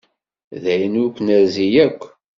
D ayen ur k-nerzi yakk.